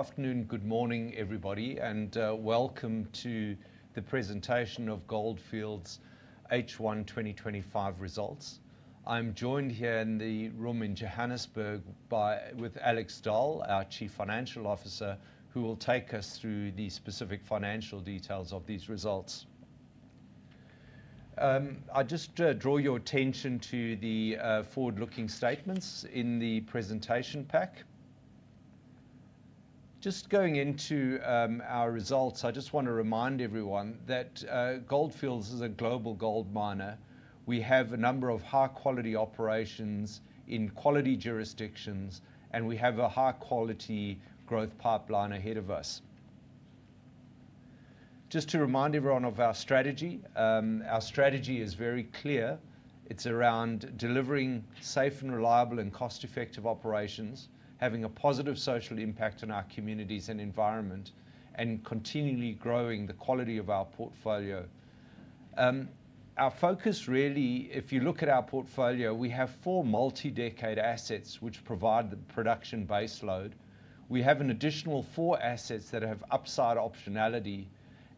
Afternoon, good morning, everybody, and welcome to the Presentation of Gold Fields H1 2025 Results. I'm joined here in the room in Johannesburg by Alex Dall, our Chief Financial Officer, who will take us through the specific financial details of these results. I just draw your attention to the forward-looking statements in the presentation pack. Just going into our results, I just want to remind everyone that Gold Fields is a global gold miner. We have a number of high-quality operations in quality jurisdictions, and we have a high-quality growth pipeline ahead of us. Just to remind everyone of our strategy, our strategy is very clear. It's around delivering safe and reliable and cost-effective operations, having a positive social impact on our communities and environment, and continually growing the quality of our portfolio. Our focus really, if you look at our portfolio, we have four multi-decade assets which provide the production baseload. We have an additional four assets that have upside optionality,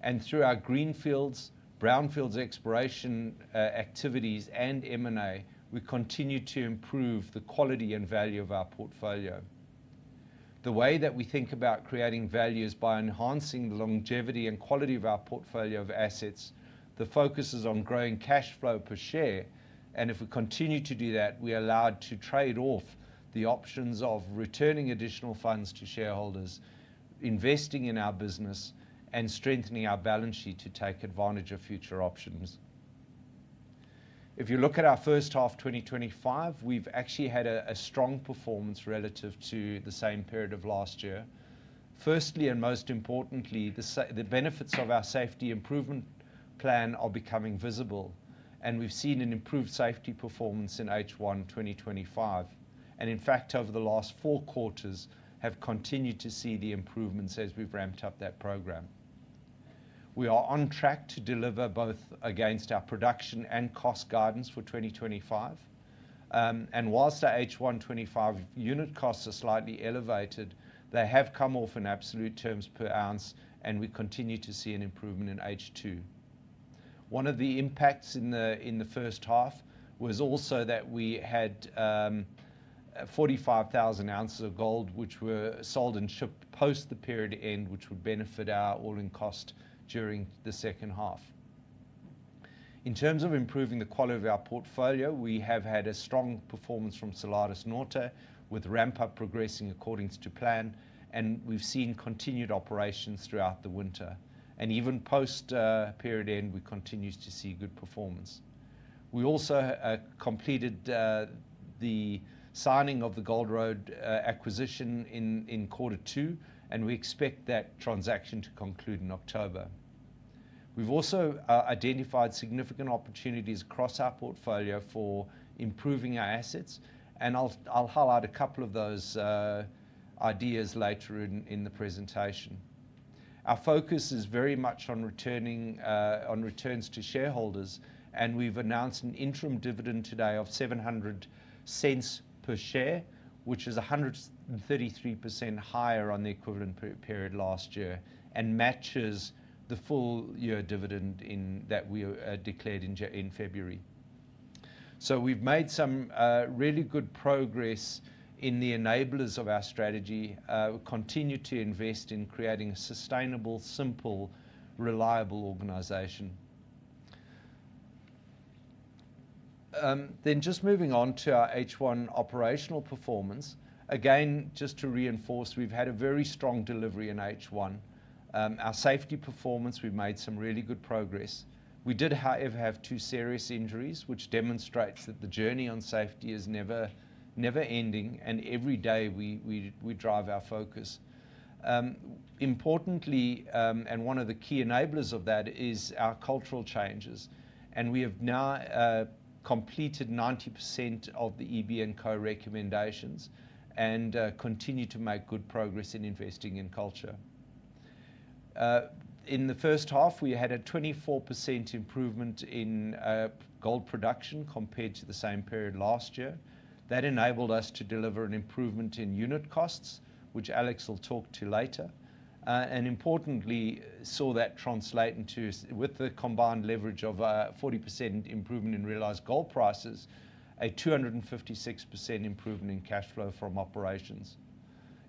and through our greenfields, brownfields, exploration activities, and M&A, we continue to improve the quality and value of our portfolio. The way that we think about creating value is by enhancing the longevity and quality of our portfolio of assets. The focus is on growing cash flow per share, and if we continue to do that, we are allowed to trade off the options of returning additional funds to shareholders, investing in our business, and strengthening our balance sheet to take advantage of future options. If you look at our first half 2025, we've actually had a strong performance relative to the same period of last year. Firstly, and most importantly, the benefits of our safety improvement plan are becoming visible, and we've seen an improved safety performance in H1 2025. In fact, over the last four quarters, we have continued to see the improvements as we've ramped up that program. We are on track to deliver both against our production and cost guidance for 2025. Whilst our H1 2025 unit costs are slightly elevated, they have come off in absolute terms per ounce, and we continue to see an improvement in H2. One of the impacts in the first half was also that we had 45,000 oz of gold, which were sold and shipped post the period end, which would benefit our all-in cost during the second half. In terms of improving the quality of our portfolio, we have had a strong performance from Salares Norte, with ramp-up progressing according to plan, and we've seen continued operations throughout the winter. Even post-period end, we continue to see good performance. We also completed the signing of the Gold Road acquisition in quarter two, and we expect that transaction to conclude in October. We've also identified significant opportunities across our portfolio for improving our assets, and I'll highlight a couple of those ideas later in the presentation. Our focus is very much on returns to shareholders, and we've announced an interim dividend today of $7.00 per share, which is 133% higher on the equivalent period last year and matches the full-year dividend that we declared in February. We've made some really good progress in the enablers of our strategy. We continue to invest in creating a sustainable, simple, reliable organization. Moving on to our H1 operational performance, just to reinforce, we've had a very strong delivery in H1. Our safety performance, we've made some really good progress. We did, however, have two serious injuries, which demonstrates that the journey on safety is never-ending, and every day we drive our focus. Importantly, and one of the key enablers of that is our cultural changes, and we have now completed 90% of the EBNCO recommendations and continue to make good progress in investing in culture. In the first half, we had a 24% improvement in gold production compared to the same period last year. That enabled us to deliver an improvement in unit costs, which Alex will talk to later, and importantly, saw that translate into, with the combined leverage of a 40% improvement in realized gold prices, a 256% improvement in cash flow from operations.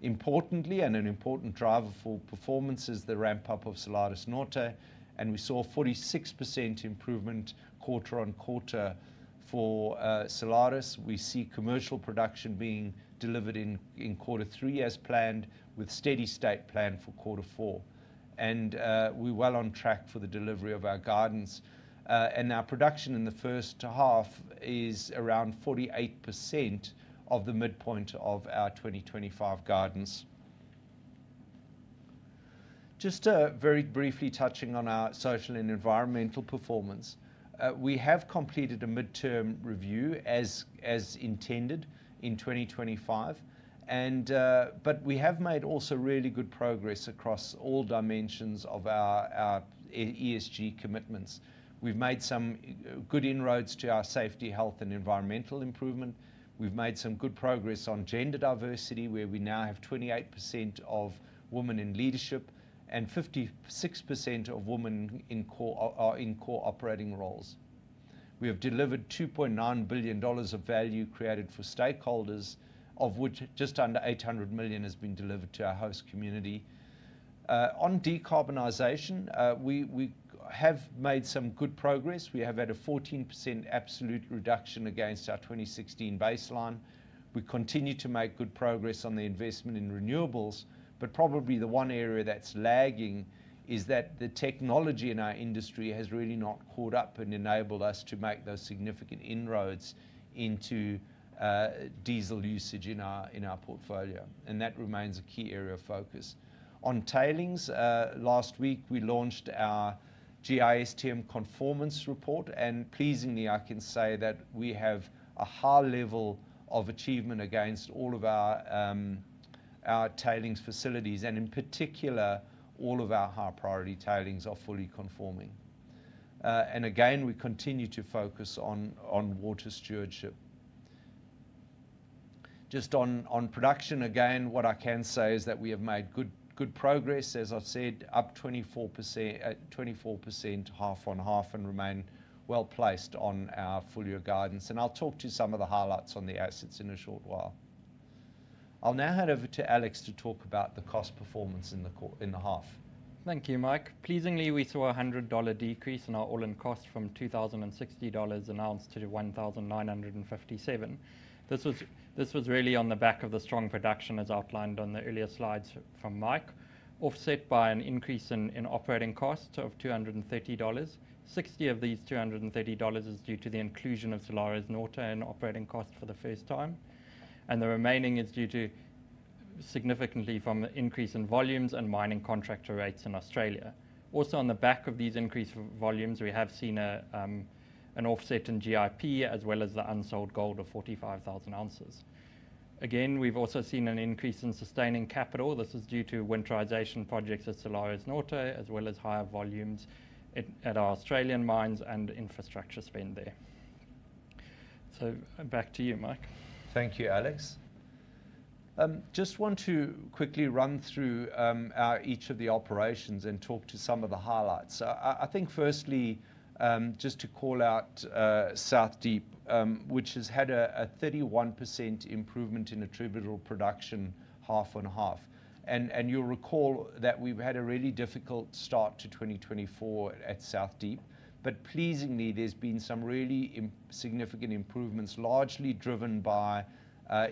Importantly, and an important driver for performance is the ramp-up of Salares Norte, and we saw a 46% improvement quarter-on-quarter for Salares. We see commercial production being delivered in quarter three as planned, with a steady state plan for quarter four. We're well on track for the delivery of our guidance, and our production in the first half is around 48% of the midpoint of our 2025 guidance. Briefly touching on our social and environmental performance, we have completed a midterm review as intended in 2025, but we have made also really good progress across all dimensions of our ESG commitments. We've made some good inroads to our safety, health, and environmental improvement. We've made some good progress on gender diversity, where we now have 28% of women in leadership and 56% of women in core operating roles. We have delivered $2.9 billion of value created for stakeholders, of which just under $800 million has been delivered to our host community. On decarbonization, we have made some good progress. We have had a 14% absolute reduction against our 2016 baseline. We continue to make good progress on the investment in renewables. Probably the one area that's lagging is that the technology in our industry has really not caught up and enabled us to make those significant inroads into diesel usage in our portfolio, and that remains a key area of focus. On tailings, last week we launched our GISTM conformance report, and, pleasingly, I can say that we have a high level of achievement against all of our tailings facilities. In particular, all of our high-priority tailings are fully conforming. We continue to focus on water stewardship. Just on production, what I can say is that we have made good progress. As I've said, up 24% half-on-half and remain well placed on our full-year guidance. I'll talk to some of the highlights on the assets in a short while. I'll now hand over to Alex to talk about the cost performance in the half. Thank you, Mike. Pleasingly, we saw a $100 decrease in our all-in cost from $2,060 an ounce to $1,957. This was really on the back of the strong production as outlined on the earlier slides from Mike, offset by an increase in operating cost of $230. Sixty of these $230 is due to the inclusion of Salares Norte in operating costs for the first time, and the remaining is due to significantly from the increase in volumes and mining contractor rates in Australia. Also, on the back of these increased volumes, we have seen an offset in GIP as well as the unsold gold of 45,000 oz. Again, we've also seen an increase in sustaining capital. This is due to winterization projects at Salares Norte, as well as higher volumes at our Australian mines and infrastructure spend there. Back to you, Mike. Thank you, Alex. Just want to quickly run through each of the operations and talk to some of the highlights. I think firstly, just to call out South Deep, which has had a 31% improvement in attributable production half-on-half. You'll recall that we've had a really difficult start to 2024 at South Deep, but pleasingly, there's been some really significant improvements, largely driven by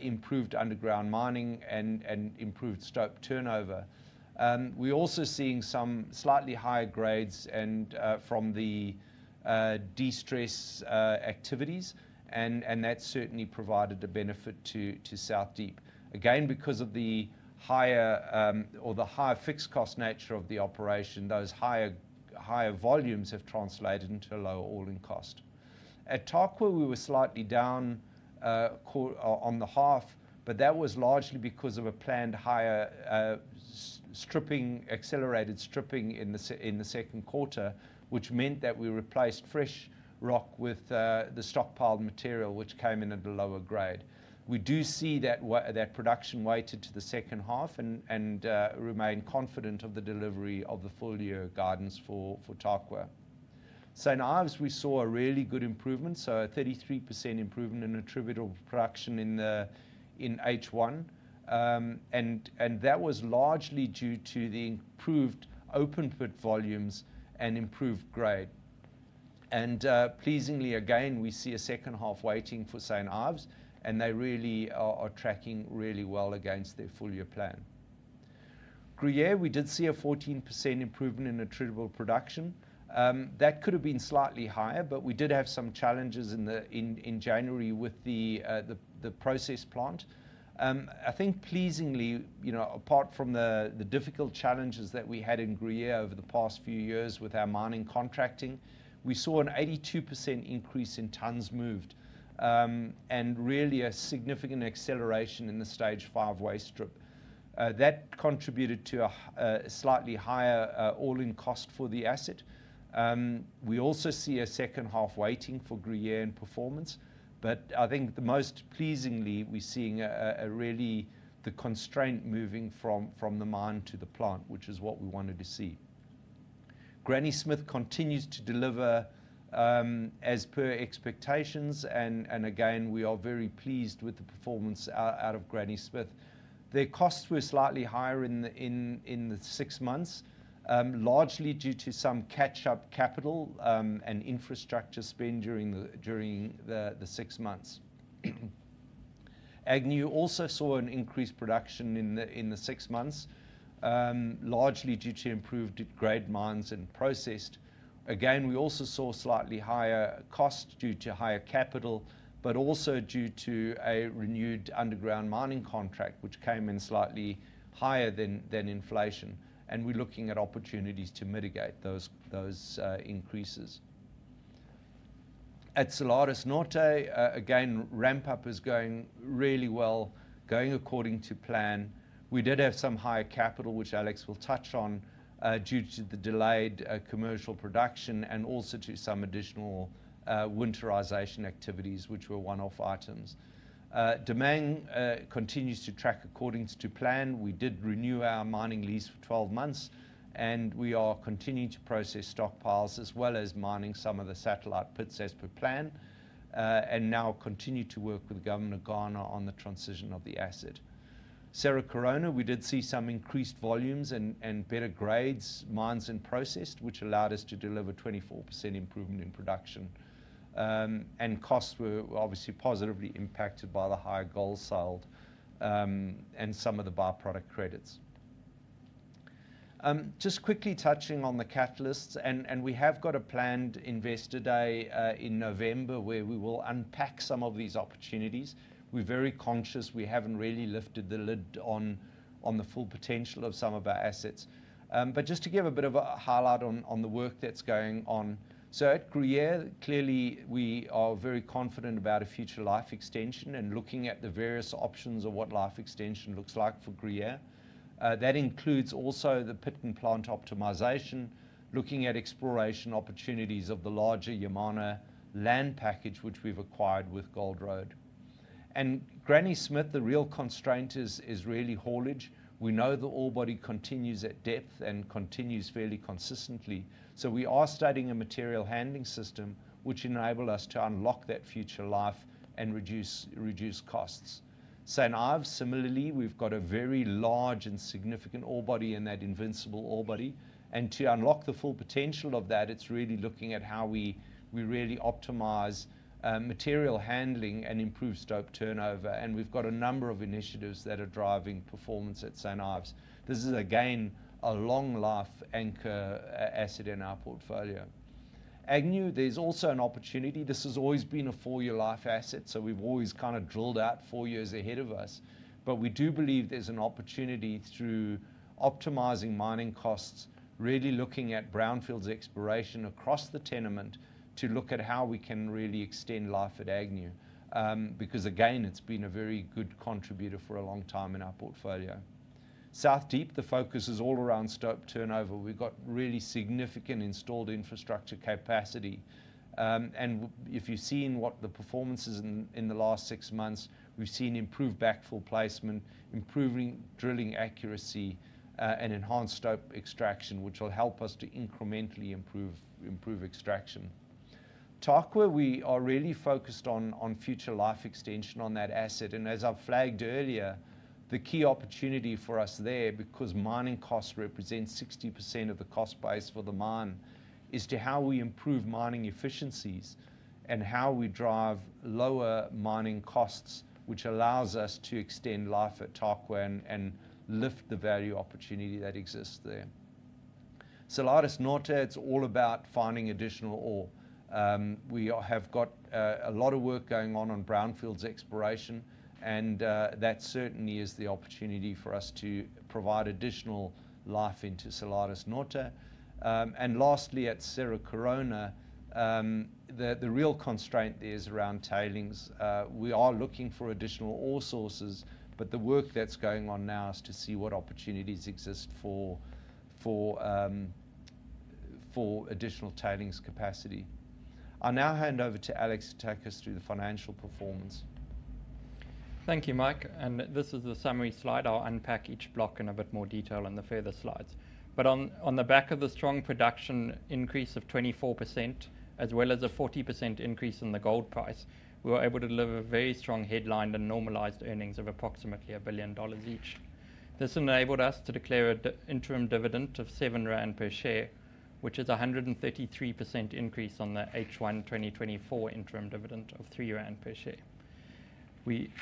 improved underground mining and improved stope turnover. We're also seeing some slightly higher grades from the de-stress activities, and that's certainly provided a benefit to South Deep. Again, because of the higher fixed cost nature of the operation, those higher volumes have translated into lower all-in cost. At Tarkwa, we were slightly down on the half, but that was largely because of a planned higher accelerated stripping in the second quarter, which meant that we replaced fresh rock with the stockpiled material, which came in at a lower grade. We do see that production weighted to the second half and remain confident of the delivery of the full-year guidance for Tarkwa. St Ives, we saw a really good improvement, so a 33% improvement in attributable production in H1, and that was largely due to the improved open-pit volumes and improved grade. Pleasingly, again, we see a second half weighting for St Ives, and they really are tracking really well against their full-year plan. Gruyere, we did see a 14% improvement in attributable production. That could have been slightly higher, but we did have some challenges in January with the process plant. I think, pleasingly, apart from the difficult challenges that we had in Gruyere over the past few years with our mining contracting, we saw an 82% increase in tons moved and really a significant acceleration in the stage five waste strip. That contributed to a slightly higher all-in cost for the asset. We also see a second half weighting for Gruyere in performance, but I think most pleasingly, we're seeing a real constraint moving from the mine to the plant, which is what we wanted to see. Granny Smith continues to deliver as per expectations, and again, we are very pleased with the performance out of Granny Smith. Their costs were slightly higher in the six months, largely due to some catch-up capital and infrastructure spend during the six months. Agnew also saw an increased production in the six months, largely due to improved grade mined and processed. Again, we also saw slightly higher costs due to higher capital, but also due to a renewed underground mining contract, which came in slightly higher than inflation, and we're looking at opportunities to mitigate those increases. At Salares Norte, again, ramp-up is going really well, going according to plan. We did have some higher capital, which Alex will touch on, due to the delayed commercial production and also to some additional winterization activities, which were one-off items. Damang continues to track according to plan. We did renew our mining lease for 12 months, and we are continuing to process stockpiles as well as mining some of the satellite pits as per plan, and now continue to work with Governor Garner on the transition of the asset. Cerro Corona, we did see some increased volumes and better grades mined and processed, which allowed us to deliver 24% improvement in production, and costs were obviously positively impacted by the higher gold sold and some of the byproduct credits. Just quickly touching on the catalysts, we have got a planned investor day in November where we will unpack some of these opportunities. We're very conscious we haven't really lifted the lid on the full potential of some of our assets, but just to give a bit of a highlight on the work that's going on. At Gruyere, clearly, we are very confident about a future life extension and looking at the various options of what life extension looks like for Gruyere. That includes also the pit and plant optimization, looking at exploration opportunities of the larger Yamana land package, which we've acquired with Gold Road. At Granny Smith, the real constraint is really haulage. We know the orebody continues at depth and continues fairly consistently, so we are starting a material handling system, which enabled us to unlock that future life and reduce costs. St Ives, similarly, we've got a very large and significant orebody in that Invincible orebody, and to unlock the full potential of that, it's really looking at how we really optimize material handling and improve stope turnover, and we've got a number of initiatives that are driving performance at St Ives. This is, again, a long-life anchor asset in our portfolio. Agnew, there's also an opportunity. This has always been a four-year life asset, so we've always kind of drilled out four years ahead of us, but we do believe there's an opportunity through optimizing mining costs, really looking at brownfields exploration across the tenement to look at how we can really extend life at Agnew because, again, it's been a very good contributor for a long time in our portfolio. South Deep, the focus is all around stope turnover. We've got really significant installed infrastructure capacity, and if you've seen what the performance is in the last six months, we've seen improved backfill placement, improving drilling accuracy, and enhanced stope extraction, which will help us to incrementally improve extraction. Tarkwa, we are really focused on future life extension on that asset, and as I've flagged earlier, the key opportunity for us there, because mining costs represent 60% of the cost base for the mine, is how we improve mining efficiencies and how we drive lower mining costs, which allows us to extend life at Tarkwa and lift the value opportunity that exists there. Salares Norte, it's all about finding additional ore. We have got a lot of work going on on brownfields exploration, and that certainly is the opportunity for us to provide additional life into Salares Norte. Lastly, at Granny Smith, the real constraint there is around tailings. We are looking for additional ore sources, but the work that's going on now is to see what opportunities exist for additional tailings capacity. I'll now hand over to Alex to take us through the financial performance. Thank you, Mike. This is the summary slide. I'll unpack each block in a bit more detail in the further slides. On the back of the strong production increase of 24%, as well as a 40% increase in the gold price, we were able to deliver very strong headline and normalized earnings of approximately $1 billion each. This enabled us to declare an interim dividend of 7 rand per share, which is a 133% increase on the H1 2024 interim dividend of 3 rand per share.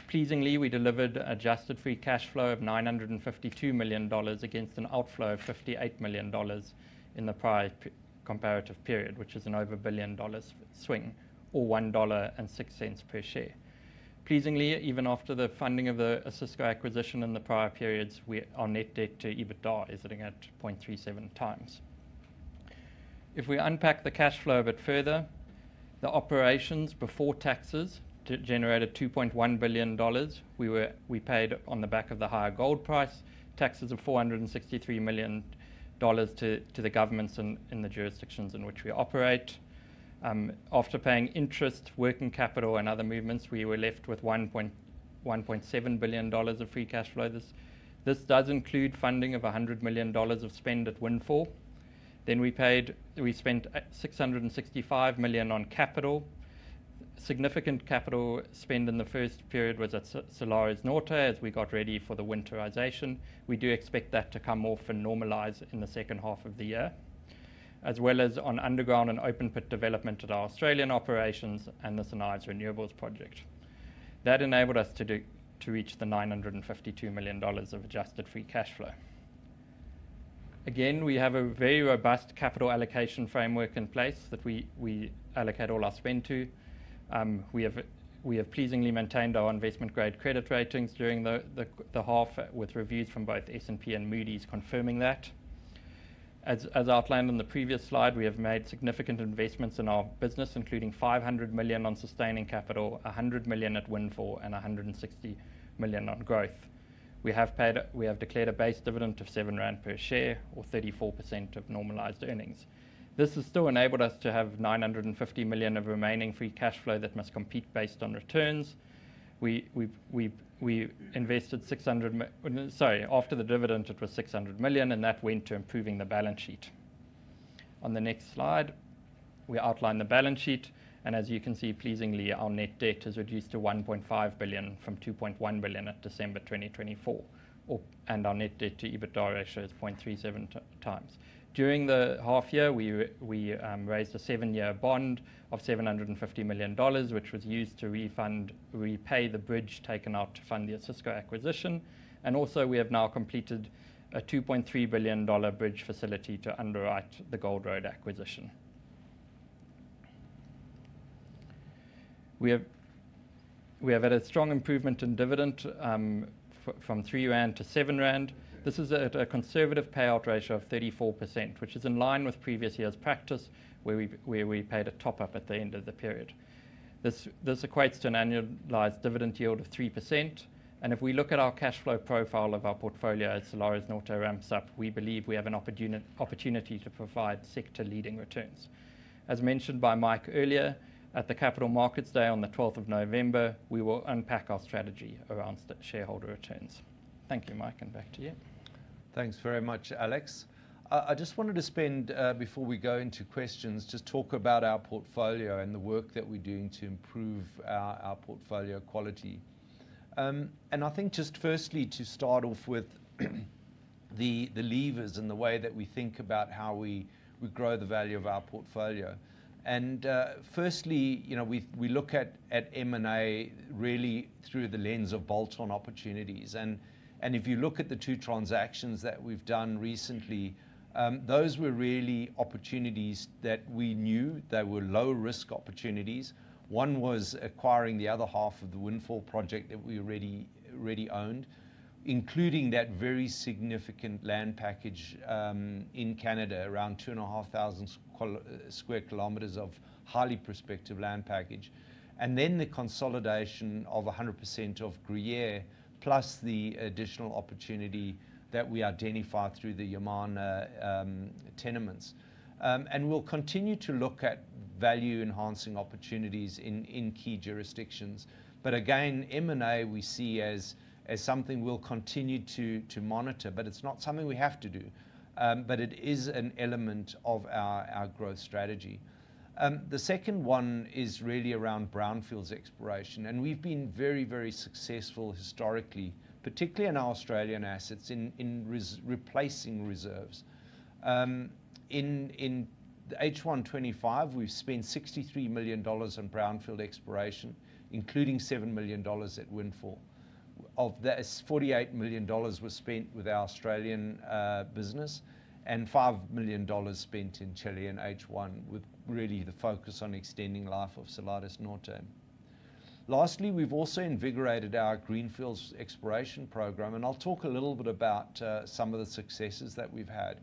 Pleasingly, we delivered an adjusted free cash flow of $952 million against an outflow of $58 million in the prior comparative period, which is an over $1 billion swing, or $1.06 per share. Even after the funding of the Cisco acquisition in the prior periods, our net debt to EBITDA is sitting at 0.37x. If we unpack the cash flow a bit further, the operations before taxes generated $2.1 billion. We paid, on the back of the higher gold price, taxes of $463 million to the governments in the jurisdictions in which we operate. After paying interest, working capital, and other movements, we were left with $1.7 billion of free cash flow. This does include funding of $100 million of spend at Windfall. We spent $665 million on capital. Significant capital spend in the first period was at Salares Norte as we got ready for the winterization. We do expect that to come off and normalize in the second half of the year, as well as on underground and open pit development at our Australian operations and the St Ives Renewables project. That enabled us to reach the $952 million of adjusted free cash flow. We have a very robust capital allocation framework in place that we allocate all our spend to. We have pleasingly maintained our investment-grade credit ratings during the half with reviews from both S&P and Moody's confirming that. As outlined in the previous slide, we have made significant investments in our business, including $500 million on sustaining capital, $100 million at Windfall, and $160 million on growth. We have declared a base dividend of 7 rand per share, or 34% of normalized earnings. This has still enabled us to have $950 million of remaining free cash flow that must compete based on returns. We invested $600 million. Sorry, after the dividend, it was $600 million, and that went to improving the balance sheet. On the next slide, we outline the balance sheet, and as you can see, pleasingly, our net debt has reduced to $1.5 billion from $2.1 billion at December 2024, and our net debt to EBITDA ratio is 0.37x. During the half year, we raised a seven-year bond of $750 million, which was used to repay the bridge taken out to fund the Cisco acquisition, and also we have now completed a $2.3 billion bridge facility to underwrite the Gold Road acquisition. We have had a strong improvement in dividend from 3-7 rand. This is at a conservative payout ratio of 34%, which is in line with previous year's practice, where we paid a top-up at the end of the period. This equates to an annualized dividend yield of 3%, and if we look at our cash flow profile of our portfolio as Salares Norte ramps up, we believe we have an opportunity to provide sector-leading returns. As mentioned by Mike earlier, at the Capital Markets Day on the 12th of November, we will unpack our strategy around shareholder returns. Thank you, Mike, and back to you. Thanks very much, Alex. I just wanted to spend, before we go into questions, just talk about our portfolio and the work that we're doing to improve our portfolio quality. I think just firstly to start off with the levers and the way that we think about how we grow the value of our portfolio. Firstly, you know, we look at M&A really through the lens of bolt-on opportunities, and if you look at the two transactions that we've done recently, those were really opportunities that we knew they were low-risk opportunities. One was acquiring the other half of the Windfall project that we already owned, including that very significant land package in Canada, around 2.5 thousand square kilometers of highly prospective land package, and then the consolidation of 100% of Gruyere, plus the additional opportunity that we identified through the Yamana tenements. We'll continue to look at value-enhancing opportunities in key jurisdictions, but again, M&A we see as something we'll continue to monitor, but it's not something we have to do, but it is an element of our growth strategy. The second one is really around brownfields exploration, and we've been very, very successful historically, particularly in our Australian assets in replacing reserves. In H1 2025, we've spent $63 million on brownfields exploration, including $7 million at Windfall. Of this, $48 million was spent with our Australian business and $5 million spent in Chile in H1 with really the focus on extending life of Salares Norte. Lastly, we've also invigorated our greenfields exploration program, and I'll talk a little bit about some of the successes that we've had.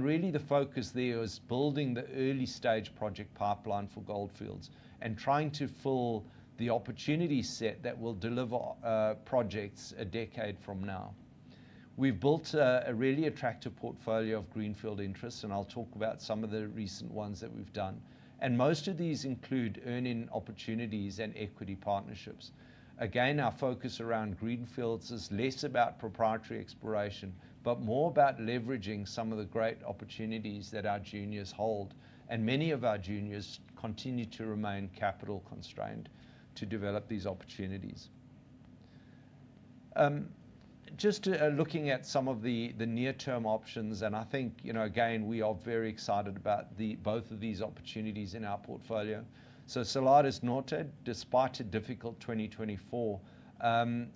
Really, the focus there is building the early-stage project pipeline for Gold Fields and trying to fill the opportunity set that will deliver projects a decade from now. We've built a really attractive portfolio of greenfield interests, and I'll talk about some of the recent ones that we've done. Most of these include earning opportunities and equity partnerships. Again, our focus around greenfields is less about proprietary exploration, but more about leveraging some of the great opportunities that our juniors hold, and many of our juniors continue to remain capital constrained to develop these opportunities. Just looking at some of the near-term options, and I think, you know, again, we are very excited about both of these opportunities in our portfolio. Salares Norte, despite a difficult 2024,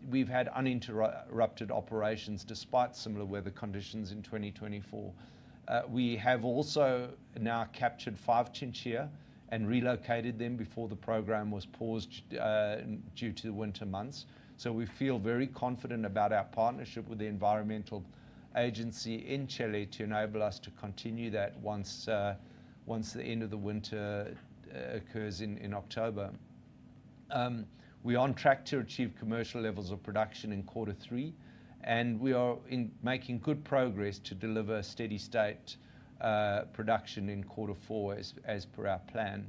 we've had uninterrupted operations despite similar weather conditions in 2024. We have also now captured five chinchillas and relocated them before the program was paused due to the winter months. We feel very confident about our partnership with the environmental agency in Chile to enable us to continue that once the end of the winter occurs in October. We are on track to achieve commercial levels of production in quarter three, and we are making good progress to deliver a steady state production in quarter four as per our plan.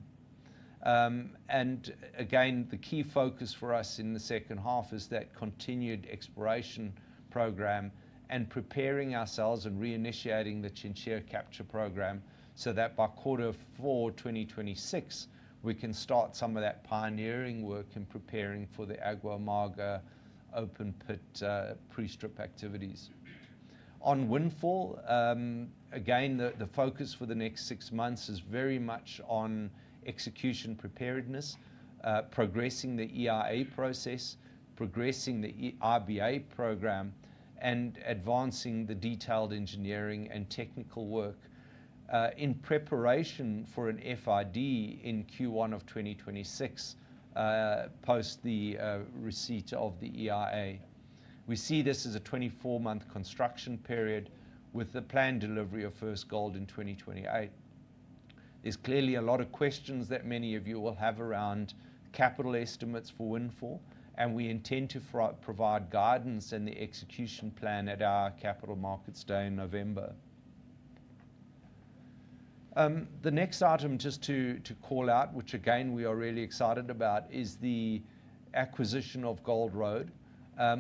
The key focus for us in the second half is that continued exploration program and preparing ourselves and reinitiating the chinchilla capture program so that by quarter four 2026, we can start some of that pioneering work in preparing for the Agua Amarga open pit pre-strip activities. On Windfall, the focus for the next six months is very much on execution preparedness, progressing the EIA process, progressing the RBA program, and advancing the detailed engineering and technical work in preparation for an FID in Q1 of 2026, post the receipt of the EIA. We see this as a 24-month construction period with the planned delivery of first gold in 2028. There are clearly a lot of questions that many of you will have around capital estimates for Windfall, and we intend to provide guidance and the execution plan at our Capital Markets Day in November. The next item to call out, which we are really excited about, is the acquisition of Gold Road,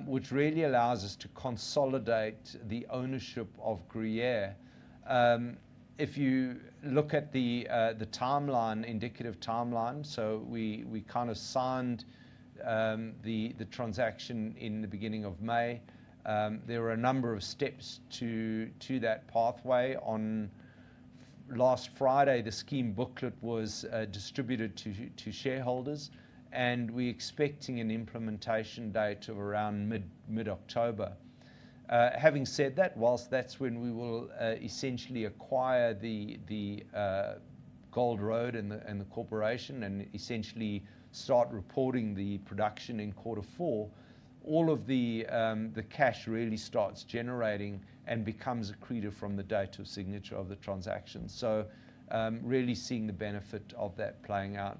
which really allows us to consolidate the ownership of Gruyere. If you look at the indicative timeline, we signed the transaction in the beginning of May. There are a number of steps to that pathway. Last Friday, the scheme booklet was distributed to shareholders, and we're expecting an implementation date of around mid-October. Having said that, whilst that's when we will essentially acquire Gold Road and the corporation and essentially start reporting the production in quarter four, all of the cash really starts generating and becomes accreted from the date of signature of the transaction. We are really seeing the benefit of that playing out.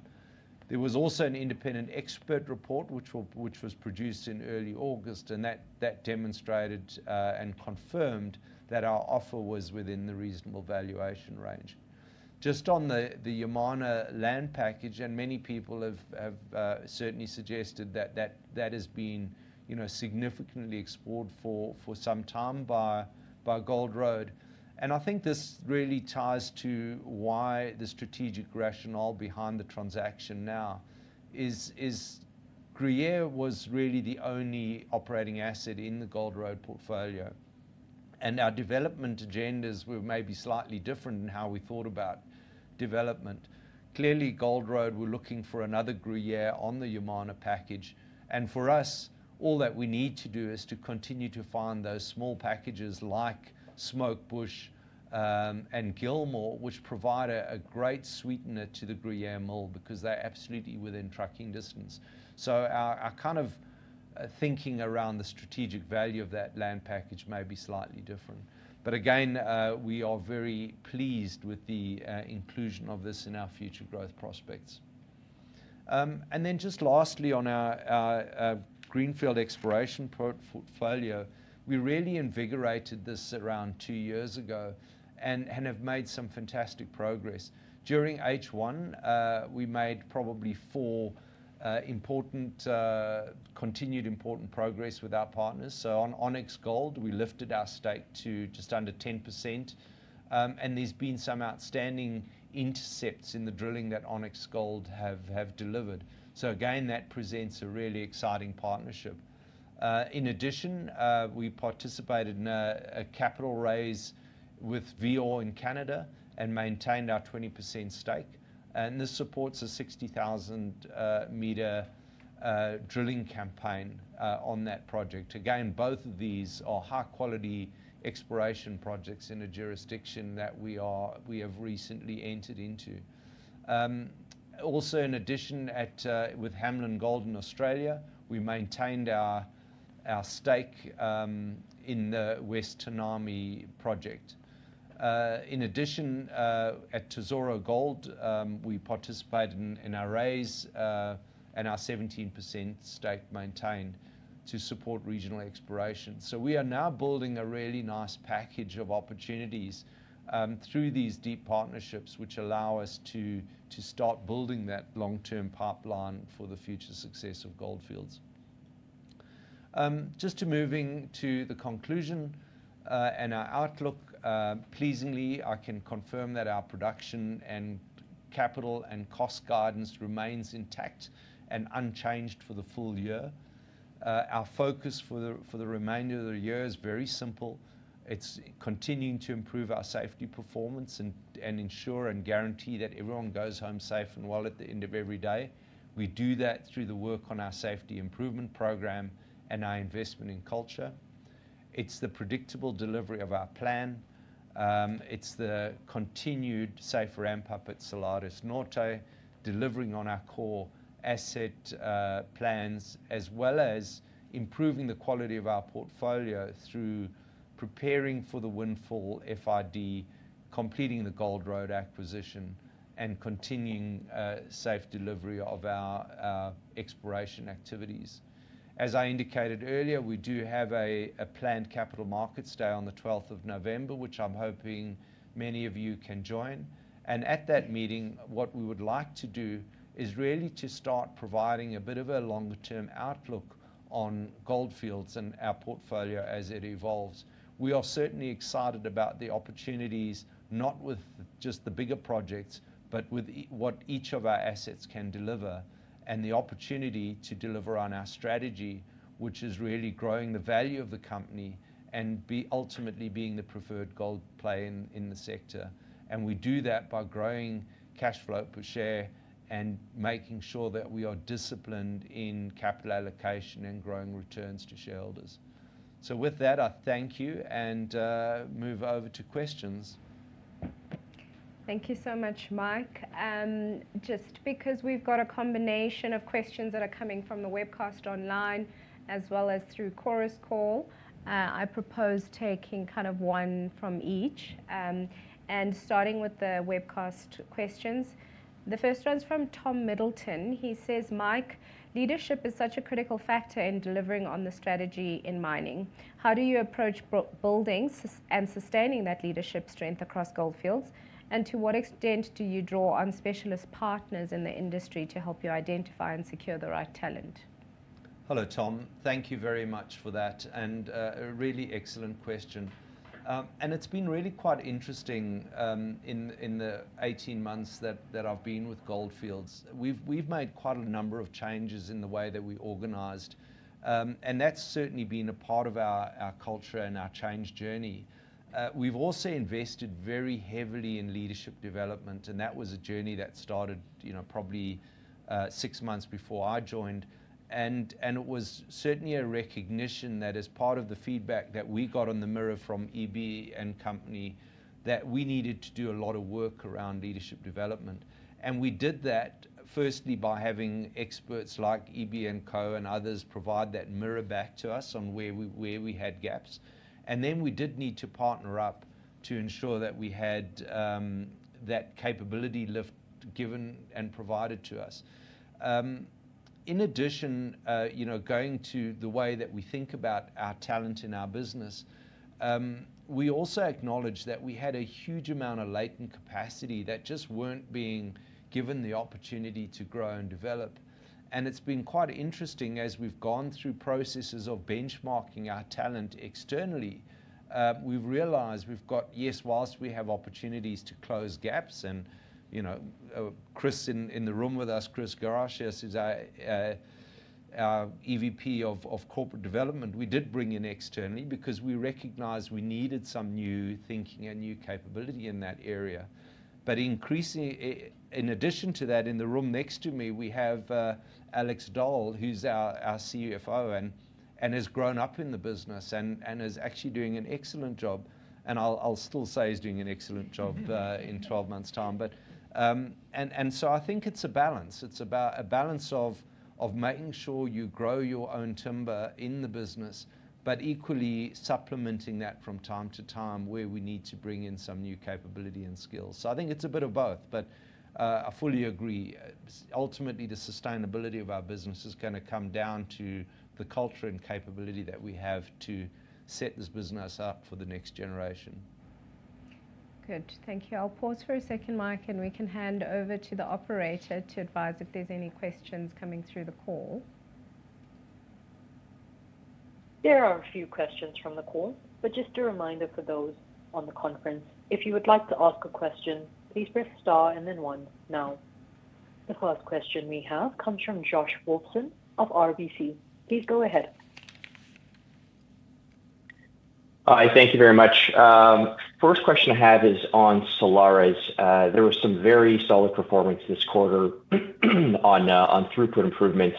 There was also an independent expert report, which was produced in early August, and that demonstrated and confirmed that our offer was within the reasonable valuation range. Just on the Yamana land package, many people have certainly suggested that that has been significantly explored for some time by Gold Road. I think this really ties to why the strategic rationale behind the transaction now is Gruyere was really the only operating asset in the Gold Road portfolio. Our development agendas were maybe slightly different in how we thought about development. Clearly, Gold Road were looking for another Gruyere on the Yamana package. For us, all that we need to do is to continue to find those small packages like Smoke Bush and Gilmore, which provide a great sweetener to the Gruyere mole because they're absolutely within trucking distance. Our kind of thinking around the strategic value of that land package may be slightly different. Again, we are very pleased with the inclusion of this in our future growth prospects. Lastly, on our greenfields exploration portfolio, we really invigorated this around two years ago and have made some fantastic progress. During H1, we made probably four important continued important progress with our partners. On Onyx Gold, we lifted our stake to just under 10%. There have been some outstanding intercepts in the drilling that Onyx Gold have delivered. That presents a really exciting partnership. In addition, we participated in a capital raise with VO in Canada and maintained our 20% stake. This supports a 60,000 m drilling campaign on that project. Both of these are high-quality exploration projects in a jurisdiction that we have recently entered into. Also, in addition, with Hamlin Gold in Australia, we maintained our stake in the West Tanami project. At Tesoro Gold, we participated in a raise and our 17% stake maintained to support regional exploration. We are now building a really nice package of opportunities through these deep partnerships, which allow us to start building that long-term pipeline for the future success of Gold Fields. To move into the conclusion and our outlook, I can confirm that our production and capital and cost guidance remains intact and unchanged for the full year. Our focus for the remainder of the year is very simple. It's continuing to improve our safety performance and ensure and guarantee that everyone goes home safe and well at the end of every day. We do that through the work on our safety improvement program and our investment in culture. It's the predictable delivery of our plan. It's the continued safer ramp-up at Salares Norte, delivering on our core asset plans, as well as improving the quality of our portfolio through preparing for the Windfall FID, completing the Gold Road acquisition, and continuing safe delivery of our exploration activities. As I indicated earlier, we do have a planned Capital Markets Day on the 12th of November, which I'm hoping many of you can join. At that meeting, what we would like to do is really to start providing a bit of a longer-term outlook on Gold Fields and our portfolio as it evolves. We are certainly excited about the opportunities, not with just the bigger projects, but with what each of our assets can deliver and the opportunity to deliver on our strategy, which is really growing the value of the company and ultimately being the preferred gold player in the sector. We do that by growing cash flow per share and making sure that we are disciplined in capital allocation and growing returns to shareholders. With that, I thank you and move over to questions. Thank you so much, Mike. Just because we've got a combination of questions that are coming from the webcast online, as well as through Chorus Call, I propose taking kind of one from each and starting with the webcast questions. The first one's from Tom Middleton. He says, "Mike, leadership is such a critical factor in delivering on the strategy in mining. How do you approach building and sustaining that leadership strength across Gold Fields? And to what extent do you draw on specialist partners in the industry to help you identify and secure the right talent? Hello, Tom. Thank you very much for that and a really excellent question. It's been really quite interesting in the 18 months that I've been with Gold Fields. We've made quite a number of changes in the way that we are organized, and that's certainly been a part of our culture and our change journey. We've also invested very heavily in leadership development, and that was a journey that started probably six months before I joined. It was certainly a recognition that as part of the feedback that we got on the mirror from EB and Company, we needed to do a lot of work around leadership development. We did that firstly by having experts like EB and Co and others provide that mirror back to us on where we had gaps. We did need to partner up to ensure that we had that capability lift given and provided to us. In addition, going to the way that we think about our talent in our business, we also acknowledge that we had a huge amount of latent capacity that just weren't being given the opportunity to grow and develop. It's been quite interesting as we've gone through processes of benchmarking our talent externally. We've realized we've got, yes, whilst we have opportunities to close gaps, and Chris in the room with us, Chris Gratias, is our EVP of Corporate Development. We did bring in externally because we recognized we needed some new thinking and new capability in that area. Increasingly, in addition to that, in the room next to me, we have Alex Dall, who's our CFO and has grown up in the business and is actually doing an excellent job. I'll still say he's doing an excellent job in 12 months' time. I think it's a balance. It's about a balance of making sure you grow your own timber in the business, but equally supplementing that from time to time where we need to bring in some new capability and skills. I think it's a bit of both, but I fully agree. Ultimately, the sustainability of our business is going to come down to the culture and capability that we have to set this business up for the next generation. Good. Thank you. I'll pause for a second, Mike, and we can hand over to the operator to advise if there's any questions coming through the call. There are a few questions from the call, but just a reminder for those on the conference, if you would like to ask a question, please press star and then one now. The first question we have comes from Josh Wolfson of RBC. Please go ahead. Hi, thank you very much. First question I have is on Salares. There was some very solid performance this quarter on throughput improvements,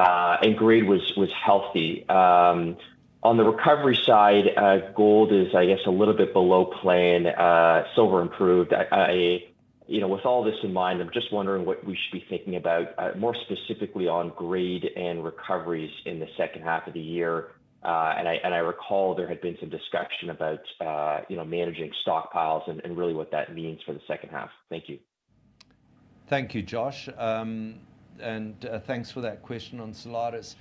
and grade was healthy. On the recovery side, gold is, I guess, a little bit below plan, silver improved. With all this in mind, I'm just wondering what we should be thinking about more specifically on grade and recoveries in the second half of the year. I recall there had been some discussion about managing stockpiles and really what that means for the second half. Thank you. Thank you, Josh, and thanks for that question on Salares.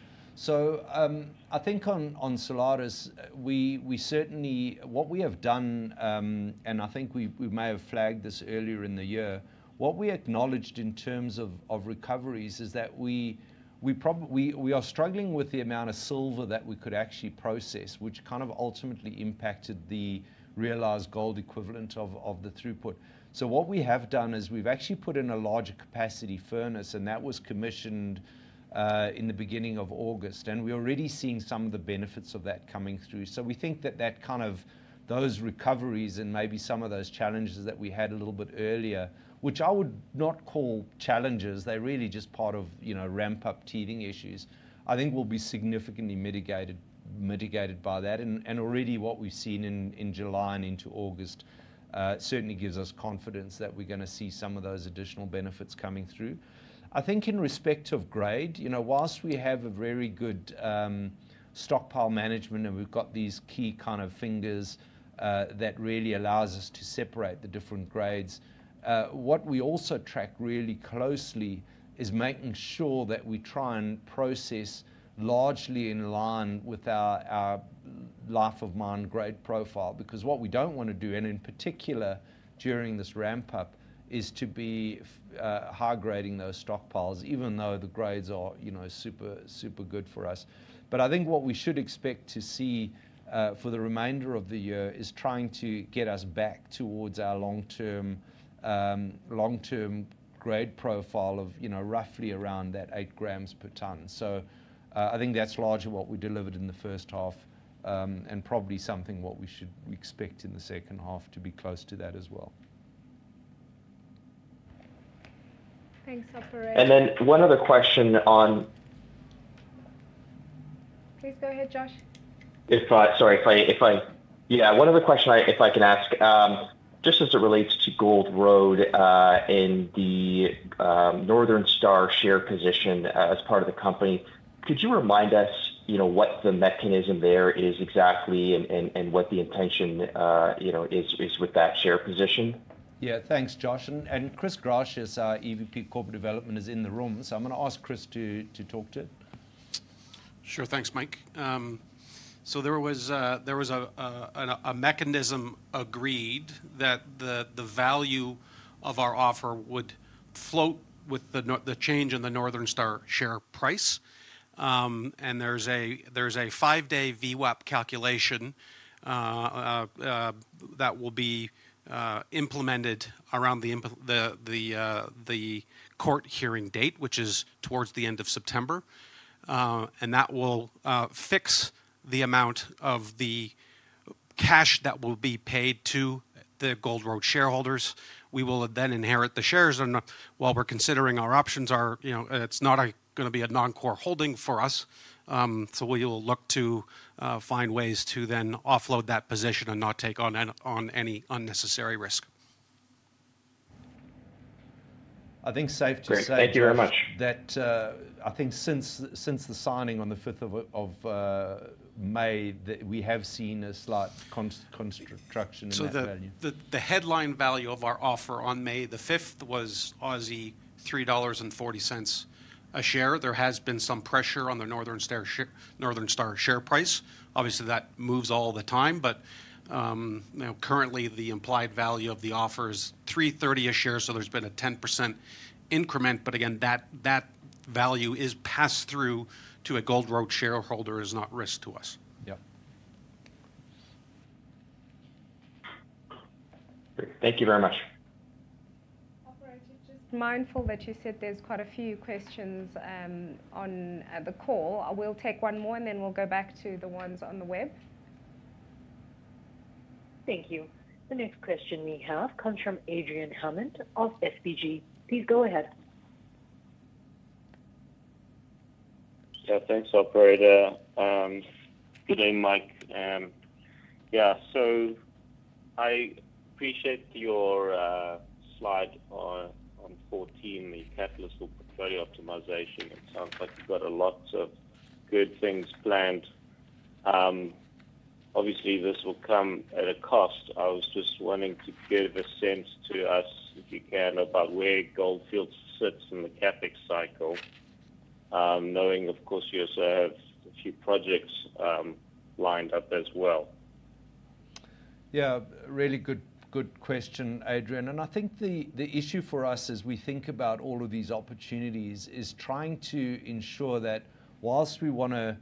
I think on Salares, we certainly, what we have done, and I think we may have flagged this earlier in the year, what we acknowledged in terms of recoveries is that we probably, we are struggling with the amount of silver that we could actually process, which kind of ultimately impacted the realized gold equivalent of the throughput. What we have done is we've actually put in a larger capacity furnace, and that was commissioned in the beginning of August, and we're already seeing some of the benefits of that coming through. We think that those recoveries and maybe some of those challenges that we had a little bit earlier, which I would not call challenges, they're really just part of ramp-up tethering issues, I think will be significantly mitigated by that. Already what we've seen in July and into August certainly gives us confidence that we're going to see some of those additional benefits coming through. I think in respect of grade, whilst we have a very good stockpile management and we've got these key kind of fingers that really allow us to separate the different grades, what we also track really closely is making sure that we try and process largely in line with our life of mine grade profile. What we don't want to do, in particular during this ramp-up, is to be high grading those stockpiles, even though the grades are super, super good for us. I think what we should expect to see for the remainder of the year is trying to get us back towards our long-term grade profile of roughly around that eight grams per ton. I think that's largely what we delivered in the first half and probably something we should expect in the second half to be close to that as well. Thanks, operator. One other question on. Please go ahead, Josh. Sorry, if I can ask just as it relates to Gold Road and the Northern Star share position as part of the company, could you remind us what the mechanism there is exactly and what the intention is with that share position? Yeah, thanks, Josh. Chris Gratias, our EVP Corporate Development, is in the room, so I'm going to ask Chris to talk to it. Sure, thanks, Mike. There was a mechanism agreed that the value of our offer would float with the change in the Northern Star share price. There's a five-day VWAP calculation that will be implemented around the court hearing date, which is towards the end of September. That will fix the amount of the cash that will be paid to the Gold Road shareholders. We will then inherit the shares while we're considering our options. It's not going to be a non-core holding for us. We will look to find ways to then offload that position and not take on any unnecessary risk. I think it's safe to say. Thank you very much. I think since the signing on the 5th of May, we have seen a slight contraction in that value. The headline value of our offer on May 5 was 3.40 Aussie dollars a share. There has been some pressure on the Northern Star share price. Obviously, that moves all the time, but currently, the implied value of the offer is 3.30 a share, so there's been a 10% increment. Again, that value is passed through to a Gold Road shareholder and is not risk to us. Thank you very much. I'm just mindful that you said there's quite a few questions on the call. I will take one more, and then we'll go back to the ones on the web. Thank you. The next question we have comes from Adrian Hammond of SBG. Please go ahead. Yeah, thanks, operator. Good day, Mike. I appreciate your slide on 14, the catalyst for portfolio optimization. It sounds like you've got a lot of good things planned. Obviously, this will come at a cost. I was just wanting to give a sense to us, if you can, about where Gold Fields sits in the CapEx cycle, knowing, of course, you also have a few projects lined up as well. Yeah, really good question, Adrian. I think the issue for us as we think about all of these opportunities is trying to ensure that whilst we want to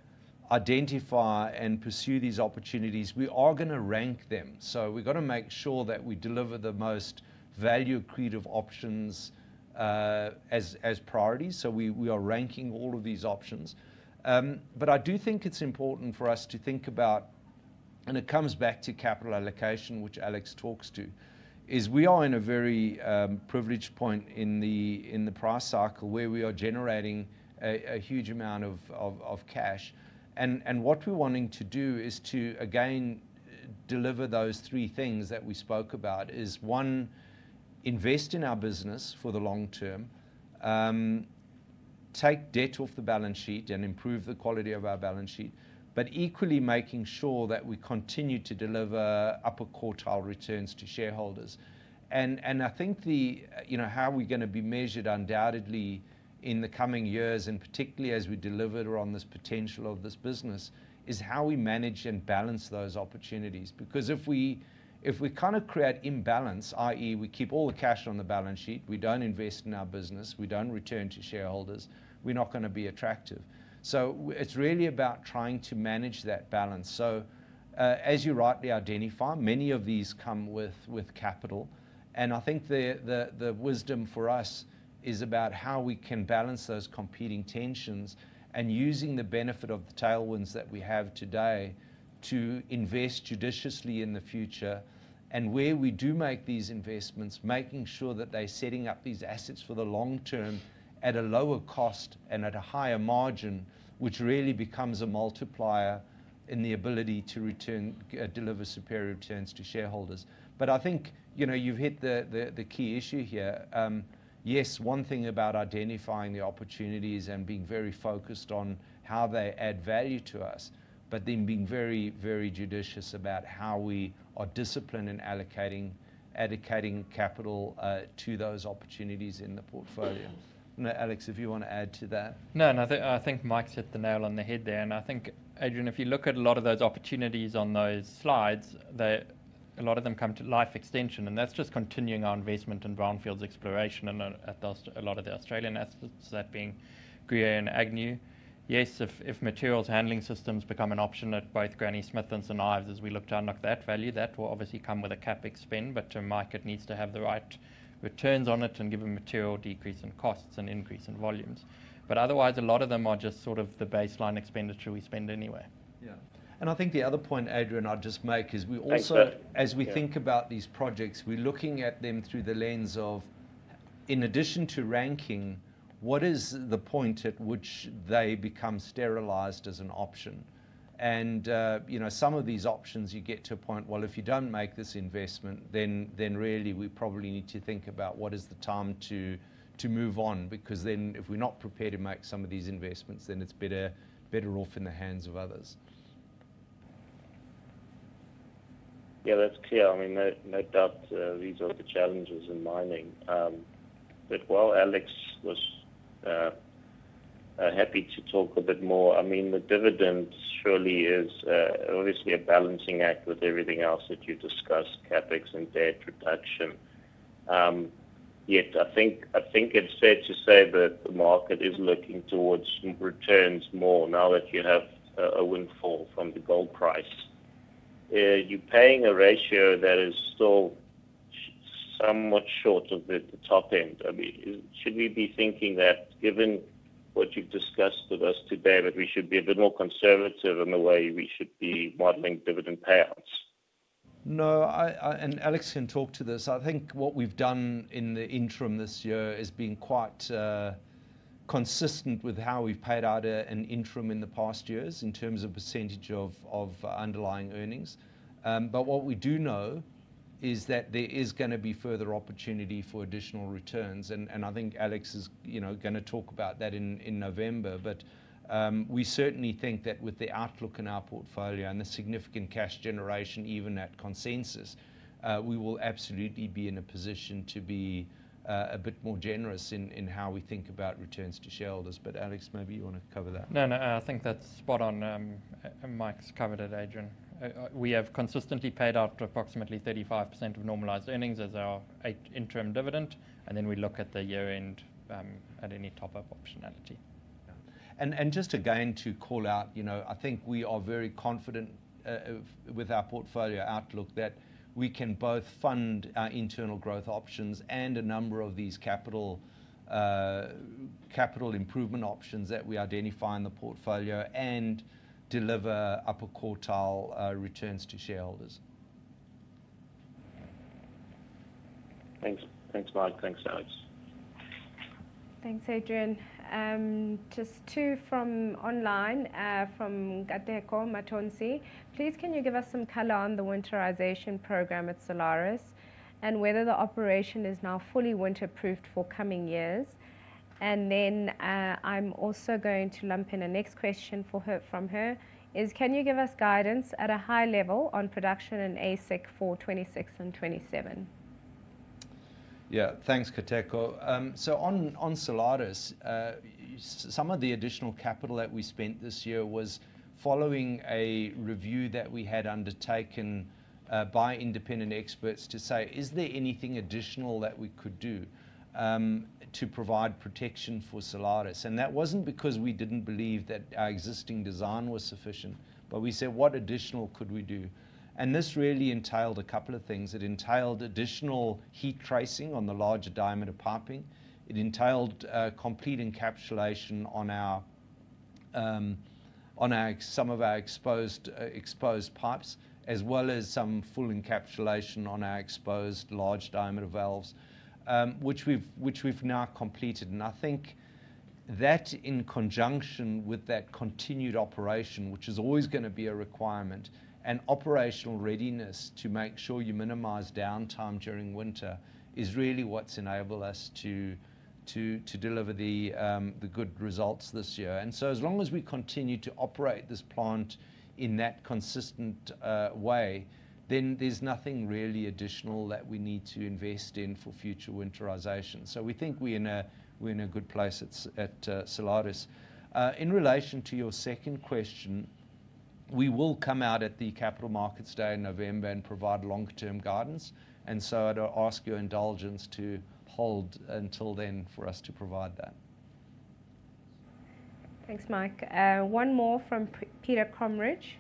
identify and pursue these opportunities, we are going to rank them. We have to make sure that we deliver the most value-accretive options as priorities. We are ranking all of these options. I do think it's important for us to think about, and it comes back to capital allocation, which Alex talks to, we are in a very privileged point in the price cycle where we are generating a huge amount of cash. What we're wanting to do is to, again, deliver those three things that we spoke about: one, invest in our business for the long term, take debt off the balance sheet and improve the quality of our balance sheet, but equally making sure that we continue to deliver upper quartile returns to shareholders. I think how we're going to be measured undoubtedly in the coming years, and particularly as we deliver on this potential of this business, is how we manage and balance those opportunities. If we create imbalance, i.e., we keep all the cash on the balance sheet, we don't invest in our business, we don't return to shareholders, we're not going to be attractive. It's really about trying to manage that balance. As you rightly identify, many of these come with capital. I think the wisdom for us is about how we can balance those competing tensions and using the benefit of the tailwinds that we have today to invest judiciously in the future. Where we do make these investments, making sure that they're setting up these assets for the long term at a lower cost and at a higher margin, which really becomes a multiplier in the ability to deliver superior returns to shareholders. I think you've hit the key issue here. Yes, one thing about identifying the opportunities and being very focused on how they add value to us, but then being very, very judicious about how we are disciplined and allocating capital to those opportunities in the portfolio. Alex, if you want to add to that. No, I think Mike's hit the nail on the head there. I think, Adrian, if you look at a lot of those opportunities on those slides, a lot of them come to life extension. That's just continuing our investment in brownfields exploration and a lot of the Australian assets, that being Gruyere and Agnew. Yes, if materials handling systems become an option at both Granny Smith and St Ives, as we look to unlock that value, that will obviously come with a CapEx spend. To market, it needs to have the right returns on it and give a material decrease in costs and increase in volumes. Otherwise, a lot of them are just sort of the baseline expenditure we spend anywhere. I think the other point, Adrian, I'd just make is we also, as we think about these projects, we're looking at them through the lens of, in addition to ranking, what is the point at which they become sterilized as an option? Some of these options, you get to a point, if you don't make this investment, then really we probably need to think about what is the time to move on. If we're not prepared to make some of these investments, then it's better off in the hands of others. Yeah, that's clear. No doubt, these are the challenges in mining. While Alex was happy to talk a bit more, the dividend surely is obviously a balancing act with everything else that you discussed, CapEx and debt reduction. I think it's fair to say that the market is looking towards some returns more now that you have a windfall from the gold price. You're paying a ratio that is still somewhat short of the top end. Should we be thinking that given what you've discussed with us today, we should be a bit more conservative in the way we should be modeling dividend payout? No, and Alex can talk to this. I think what we've done in the interim this year has been quite consistent with how we've paid out an interim in the past years in terms of percentage of underlying earnings. What we do know is that there is going to be further opportunity for additional returns. I think Alex is going to talk about that in November. We certainly think that with the outlook in our portfolio and the significant cash generation, even at consensus, we will absolutely be in a position to be a bit more generous in how we think about returns to shareholders. Alex, maybe you want to cover that. No, I think that's spot on. Mike's covered it, Adrian. We have consistently paid out approximately 35% of normalized earnings as our interim dividend, and then we look at the year-end at any top-up optionality. I think we are very confident with our portfolio outlook that we can both fund our internal growth options and a number of these capital improvement options that we identify in the portfolio and deliver upper quartile returns to shareholders. Thanks, thanks Mike, thanks Alex. Thanks, Adrian. Just two from online, from Nkateko Mathonsi. Please, can you give us some color on the winterization program at Salares Norte and whether the operation is now fully winter-proofed for coming years? I'm also going to lump in a next question from her. Can you give us guidance at a high level on production and AISC for 2026 and 2027? Yeah, thanks, Nkateko. On Salares Norte, some of the additional capital that we spent this year was following a review that we had undertaken by independent experts to say, is there anything additional that we could do to provide protection for Salares Norte? That wasn't because we didn't believe that our existing design was sufficient, but we said, what additional could we do? This really entailed a couple of things. It entailed additional heat tracing on the larger diameter piping. It entailed complete encapsulation on some of our exposed pipes, as well as some full encapsulation on our exposed large diameter valves, which we've now completed. I think that in conjunction with that continued operation, which is always going to be a requirement, and operational readiness to make sure you minimize downtime during winter is really what's enabled us to deliver the good results this year. As long as we continue to operate this plant in that consistent way, then there's nothing really additional that we need to invest in for future winterization. We think we're in a good place at Salares Norte. In relation to your second question, we will come out at the Capital Markets Day in November and provide longer-term guidance. I'd ask your indulgence to hold until then for us to provide that. Thanks, Mike. One more from Peter Cromrich.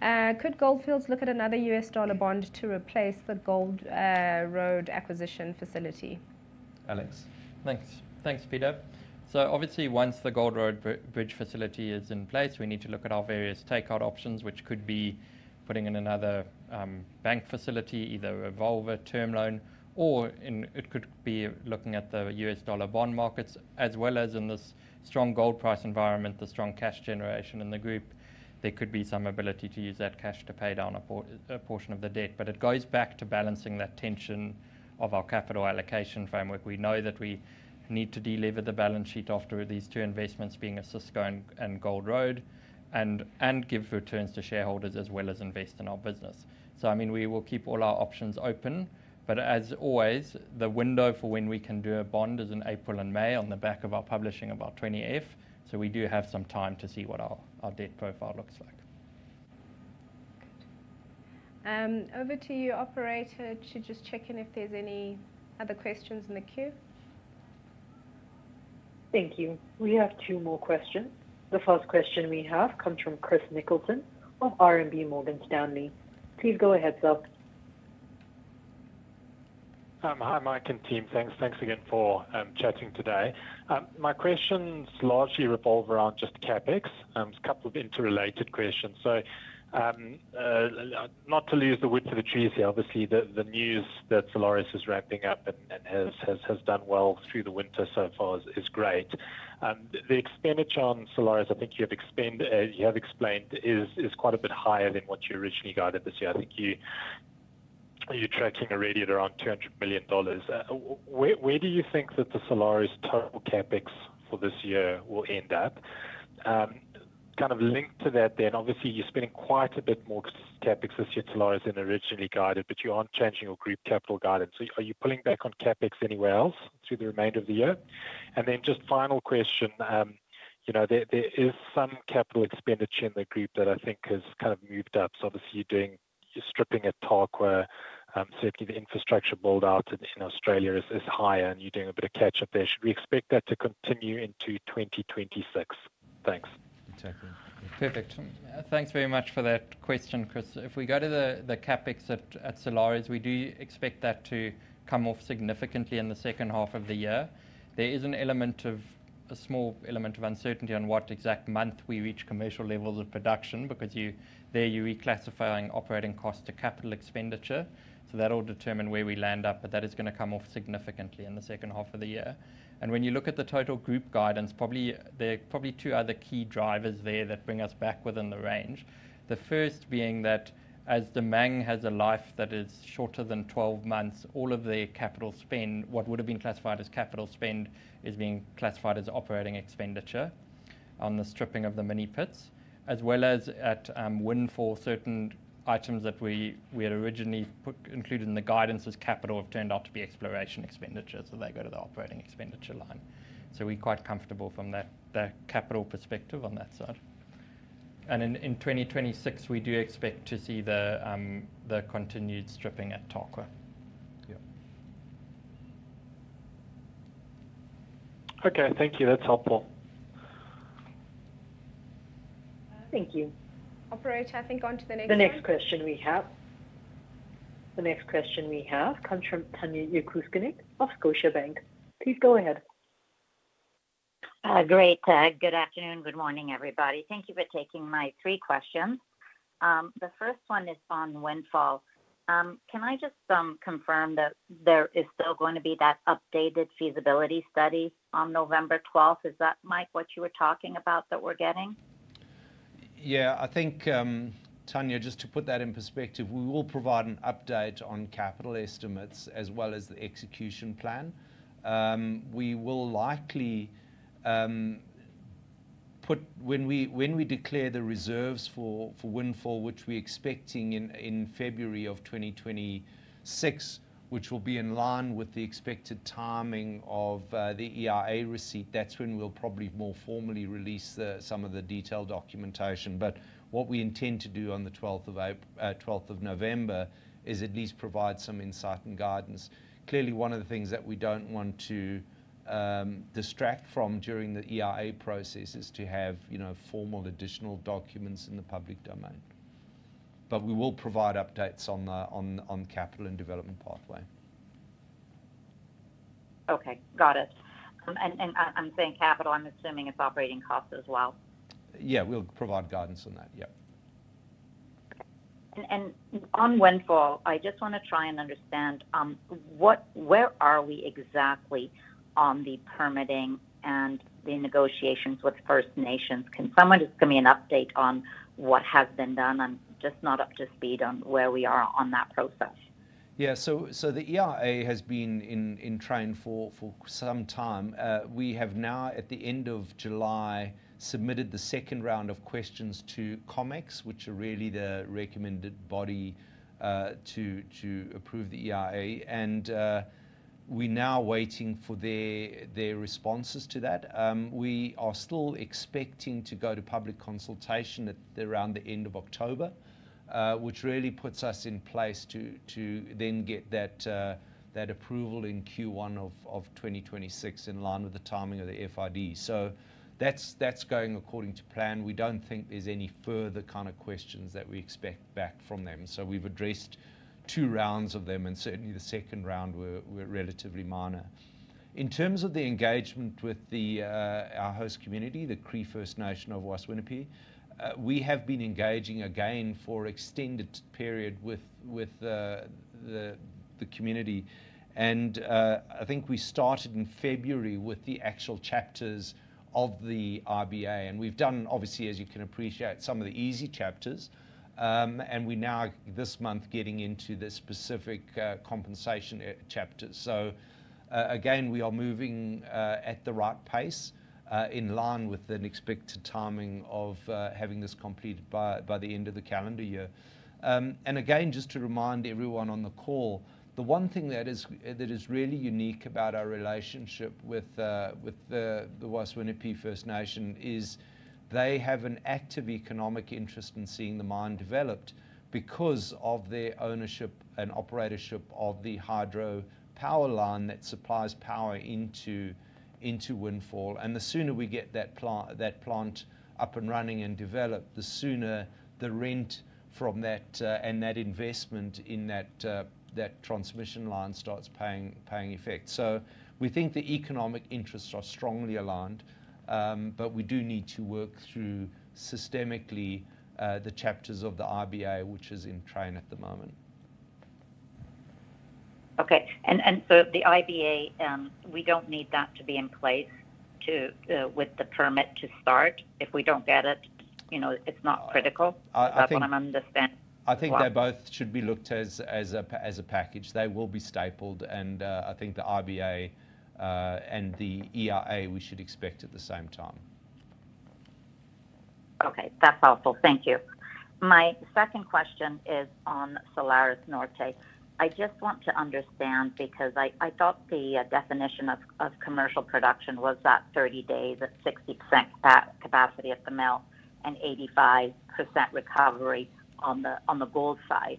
Could Gold Fields look at another U.S. dollar bond to replace the Gold Road acquisition facility? Alex, thanks. Thanks, Peter. Once the Gold Road bridge facility is in place, we need to look at our various takeout options, which could be putting in another bank facility, either a Volvo term loan, or it could be looking at the U.S. dollar bond markets. In this strong gold price environment, the strong cash generation in the group, there could be some ability to use that cash to pay down a portion of the debt. It goes back to balancing that tension of our capital allocation framework. We know that we need to deliver the balance sheet after these two investments, being a Cisco and Gold Road, and give returns to shareholders as well as invest in our business. We will keep all our options open. As always, the window for when we can do a bond is in April and May on the back of our publishing of our 2028. We do have some time to see what our debt profile looks like. Over to you, operator, to just check in if there's any other questions in the queue. Thank you. We have two more questions. The first question we have comes from Chris Nicholson of RMB Morgan Stanley. Please go ahead, heads up. Hi, Mike and team. Thanks. Thanks again for chatting today. My questions largely revolve around just CapEx. There's a couple of interrelated questions. Not to lose the wits of the trees here, obviously, the news that Salares is ramping up and has done well through the winter so far is great. The expenditure on Salares, I think you have explained, is quite a bit higher than what you originally guided this year. I think you're tracking a reading at around $200 million. Where do you think that the Salares total CapEx for this year will end up? Kind of linked to that then, obviously, you're spending quite a bit more CapEx this year at Salares than originally guided, but you aren't changing your group capital guidance. Are you pulling back on CapEx anywhere else through the remainder of the year? Final question, you know, there is some capital expenditure in the group that I think has kind of moved up. Obviously, you're stripping at Tarkwa. Certainly, the infrastructure build-out in Australia is higher, and you're doing a bit of catch-up there. Should we expect that to continue into 2026? Thanks. Exactly. Perfect. Thanks very much for that question, Chris. If we go to the CapEx at Salares, we do expect that to come off significantly in the second half of the year. There is a small element of uncertainty on what exact month we reach commercial levels of production because there you're reclassifying operating costs to capital expenditure. That will determine where we land up, but that is going to come off significantly in the second half of the year. When you look at the total group guidance, there are probably two other key drivers that bring us back within the range. The first being that as demand has a life that is shorter than 12 months, all of the capital spend, what would have been classified as capital spend, is being classified as operating expenditure on the stripping of the mini pits, as well as at Windfall, certain items that we had originally included in the guidance as capital have turned out to be exploration expenditure. They go to the operating expenditure line. We're quite comfortable from the capital perspective on that side. In 2026, we do expect to see the continued stripping at Tarkwa. Yeah, okay, thank you. That's helpful. Thank you. Operator, I think on to the next question. The next question we have comes from Tanya Jakusconek of Scotiabank. Please go ahead. Great. Good afternoon. Good morning, everybody. Thank you for taking my three questions. The first one is on Windfall. Can I just confirm that there is still going to be that updated feasibility study on November 12th? Is that, Mike, what you were talking about that we're getting? Yeah, I think, Tanya, just to put that in perspective, we will provide an update on capital estimates as well as the execution plan. We will likely put, when we declare the reserves for Windfall, which we're expecting in February of 2026, which will be in line with the expected timing of the EIA receipt, that's when we'll probably more formally release some of the detailed documentation. What we intend to do on the 12th of November is at least provide some insight and guidance. Clearly, one of the things that we don't want to distract from during the EIA process is to have formal additional documents in the public domain. We will provide updates on the capital and development pathway. Okay, got it. I'm saying capital, I'm assuming it's operating costs as well. Yeah, we'll provide guidance on that. the Windfall project, I just want to try and understand where are we exactly on the permitting and the negotiations with First Nations? Can someone just give me an update on what has been done? I'm just not up to speed on where we are on that process. Yeah, the EIA has been in train for some time. We have now, at the end of July, submitted the second round of questions to COMEX, which are really the recommended body to approve the ERA. We're now waiting for their responses to that. We are still expecting to go to public consultation around the end of October, which really puts us in place to then get that approval in Q1 of 2026 in line with the timing of the FID. That's going according to plan. We don't think there's any further kind of questions that we expect back from them. We've addressed two rounds of them, and certainly the second round were relatively minor. In terms of the engagement with our host community, the Cree First Nation of West Winnipeg, we have been engaging again for an extended period with the community. I think we started in February with the actual chapters of the RBA. We've done, obviously, as you can appreciate, some of the easy chapters. We're now, this month, getting into the specific compensation chapters. We are moving at the right pace in line with the expected timing of having this completed by the end of the calendar year. Just to remind everyone on the call, the one thing that is really unique about our relationship with the West Winnipeg First Nation is they have an active economic interest in seeing the mine developed because of their ownership and operatorship of the hydro power line that supplies power into Windfall. The sooner we get that plant up and running and developed, the sooner the rent from that and that investment in that transmission line starts paying effect. We think the economic interests are strongly aligned, but we do need to work through systemically the chapters of the RBA, which is in train at the moment. Okay, the RBA, we don't need that to be in place with the permit to start? If we don't get it, it's not critical? That's what I'm understanding. I think they both should be looked at as a package. They will be stapled, and I think the RBA and the EIA we should expect at the same time. Okay, that's helpful. Thank you. My second question is on Salares Norte. I just want to understand because I thought the definition of commercial production was that 30 days at 60% capacity at the mill and 85% recovery on the gold side.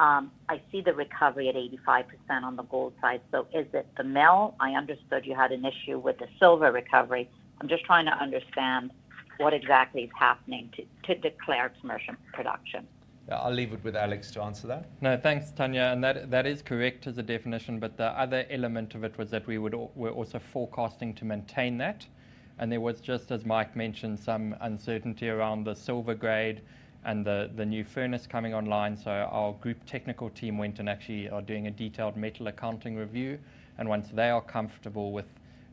I see the recovery at 85% on the gold side. Is it the mill? I understood you had an issue with the silver recovery. I'm just trying to understand what exactly is happening to declare commercial production. I'll leave it with Alex to answer that. No, thanks, Tanya. That is correct as a definition, but the other element of it was that we were also forecasting to maintain that. There was, just as Mike mentioned, some uncertainty around the silver grade and the new furnace coming online. Our group technical team went and actually are doing a detailed metal accounting review. Once they are comfortable with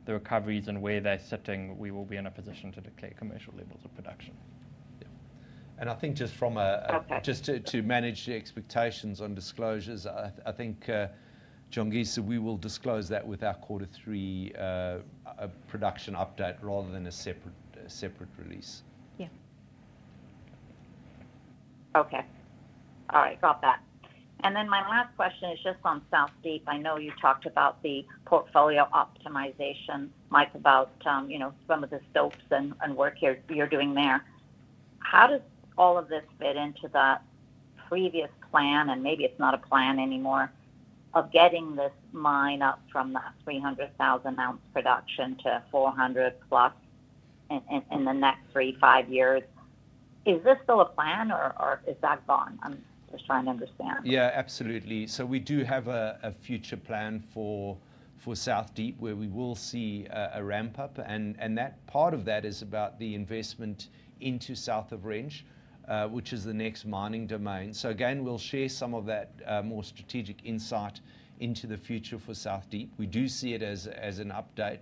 the recoveries and where they're sitting, we will be in a position to declare commercial levels of production. Yeah. I think just to manage the expectations on disclosures, I think, John, we will disclose that with our quarter three production update rather than a separate release. Yeah. Okay. All right, got that. My last question is just on South Deep. I know you talked about the portfolio optimization, Mike, about some of the stokes and work you're doing there. How does all of this fit into the previous plan, and maybe it's not a plan anymore, of getting this mine up from the 300,000 oz production to 400,000+ oz in the next three, five years? Is this still a plan or is that gone? I'm trying to understand. Yeah, absolutely. We do have a future plan for South Deep where we will see a ramp-up. Part of that is about the investment into South of Ridge, which is the next mining domain. We will share some of that more strategic insight into the future for South Deep. We do see it as an update.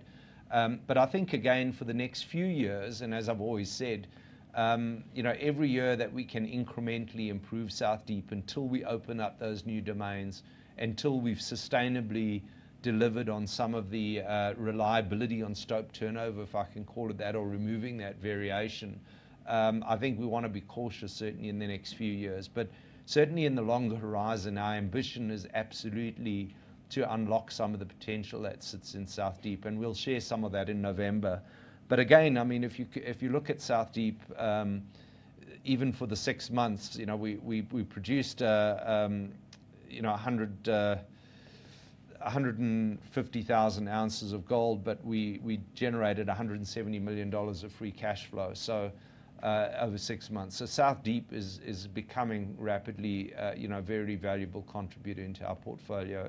I think, for the next few years, and as I've always said, every year that we can incrementally improve South Deep until we open up those new domains, until we've sustainably delivered on some of the reliability on stope turnover, if I can call it that, or removing that variation, I think we want to be cautious, certainly, in the next few years. Certainly, in the longer horizon, our ambition is absolutely to unlock some of the potential that sits in South Deep. We will share some of that in November. If you look at South Deep, even for the six months, we produced 150,000 oz of gold, but we generated $170 million of free cash flow over six months. South Deep is becoming rapidly a very valuable contributor into our portfolio.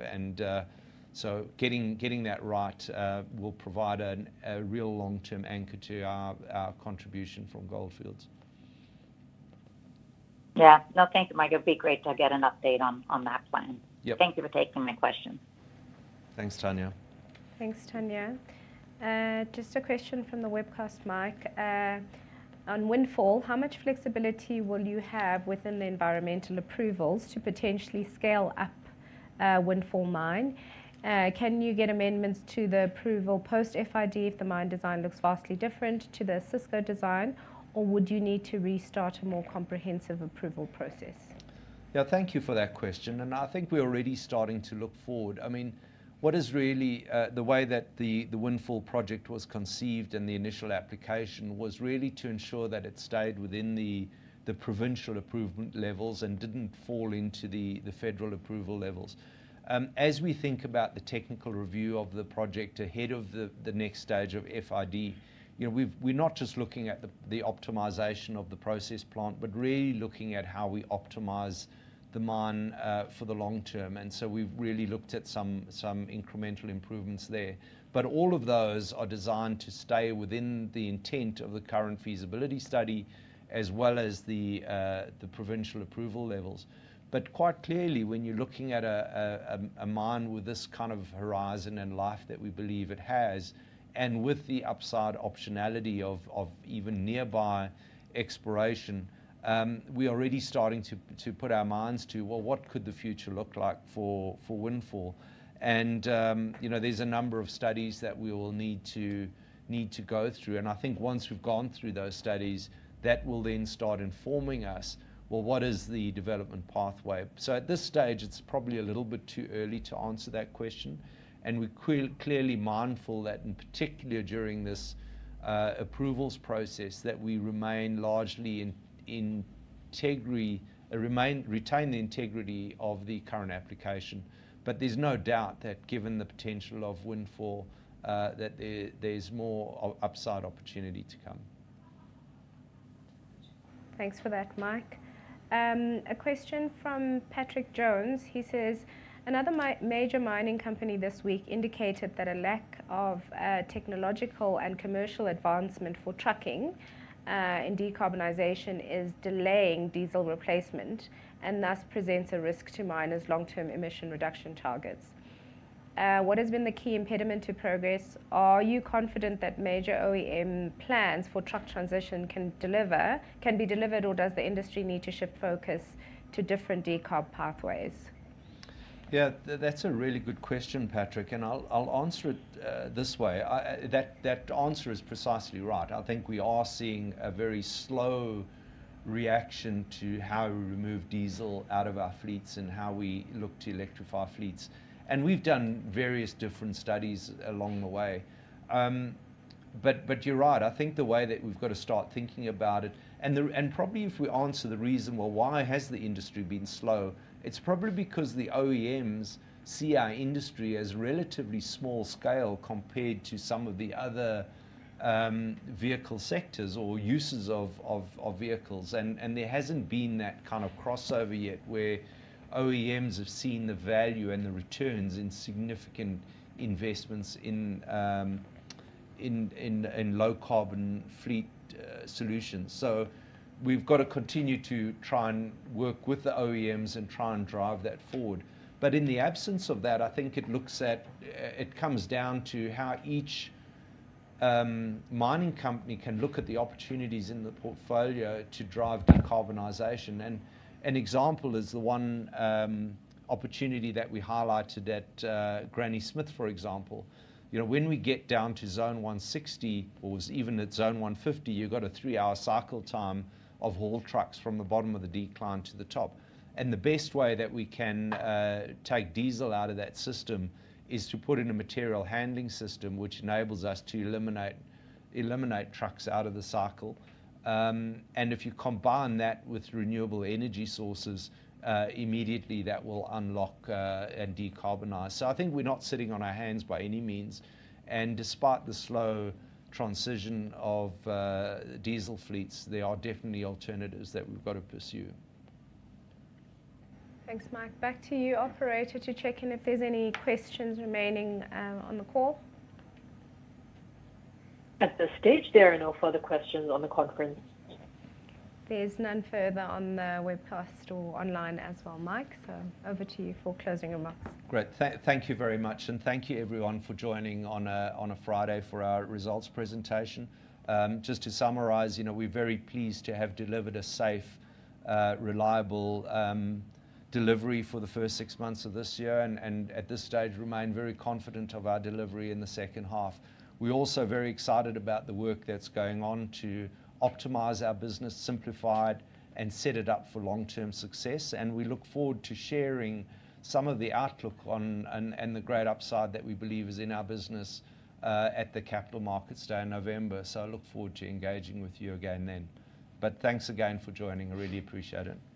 Getting that right will provide a real long-term anchor to our contribution from Gold Fields. Yeah, no, thanks, Mike. It'd be great to get an update on that plan. Thank you for taking my question. Thanks, Tanya. Thanks, Tanya. Just a question from the webcast, Mike. On Windfall, how much flexibility will you have within the environmental approvals to potentially scale up Windfall mine? Can you get amendments to the approval post-FID if the mine design looks vastly different to the Cisco design, or would you need to restart a more comprehensive approval process? Thank you for that question. I think we're already starting to look forward. What is really the way that the Windfall project was conceived and the initial application was really to ensure that it stayed within the provincial improvement levels and didn't fall into the federal approval levels. As we think about the technical review of the project ahead of the next stage of FID, we're not just looking at the optimization of the process plant, but really looking at how we optimize the mine for the long term. We've really looked at some incremental improvements there. All of those are designed to stay within the intent of the current feasibility study, as well as the provincial approval levels. Quite clearly, when you're looking at a mine with this kind of horizon and life that we believe it has, and with the upside optionality of even nearby exploration, we're already starting to put our minds to what could the future look like for Windfall. There are a number of studies that we will need to go through. I think once we've gone through those studies, that will then start informing us what is the development pathway. At this stage, it's probably a little bit too early to answer that question. We're clearly mindful that, in particular during this approvals process, we remain largely in integrity, retain the integrity of the current application. There's no doubt that given the potential of Windfall, there's more upside opportunity to come. Thanks for that, Mike. A question from Patrick Jones. He says, another major mining company this week indicated that a lack of technological and commercial advancement for trucking in decarbonization is delaying diesel replacement and thus presents a risk to miners' long-term emission reduction targets. What has been the key impediment to progress? Are you confident that major OEM plans for truck transition can be delivered, or does the industry need to shift focus to different decarb pathways? Yeah, that's a really good question, Patrick. I'll answer it this way. That answer is precisely right. I think we are seeing a very slow reaction to how we remove diesel out of our fleets and how we look to electrify fleets. We've done various different studies along the way. You're right. I think the way that we've got to start thinking about it, and probably if we answer the reason, why has the industry been slow? It's probably because the OEMs see our industry as relatively small scale compared to some of the other vehicle sectors or uses of vehicles. There hasn't been that kind of crossover yet where OEMs have seen the value and the returns in significant investments in low-carbon fleet solutions. We've got to continue to try and work with the OEMs and try and drive that forward. In the absence of that, I think it comes down to how each mining company can look at the opportunities in the portfolio to drive decarbonization. An example is the one opportunity that we highlighted at Granny Smith, for example. When we get down to zone 160, or even at zone 150, you've got a three-hour cycle time of haul trucks from the bottom of the decline to the top. The best way that we can take diesel out of that system is to put in a material handling system, which enables us to eliminate trucks out of the cycle. If you combine that with renewable energy sources, immediately that will unlock and decarbonize. I think we're not sitting on our hands by any means. Despite the slow transition of diesel fleets, there are definitely alternatives that we've got to pursue. Thanks, Mike. Back to you, operator, to check in if there's any questions remaining on the call. At this stage, there are no further questions on the conference. There's none further on the webcast or online as well, Mike. Over to you for closing remarks. Great. Thank you very much, and thank you everyone for joining on a Friday for our results presentation. Just to summarize, you know we're very pleased to have delivered a safe, reliable delivery for the first six months of this year, and at this stage remain very confident of our delivery in the second half. We're also very excited about the work that's going on to optimize our business, simplify it, and set it up for long-term success. We look forward to sharing some of the outlook on the great upside that we believe is in our business at the Capital Markets Day in November. I look forward to engaging with you again then. Thanks again for joining. I really appreciate it.